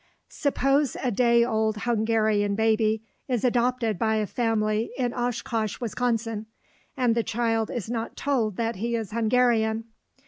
Suppose a day old Hungarian baby is adopted by a family in Oshkosh, Wisconsin, and the child is not told that he is Hungarian.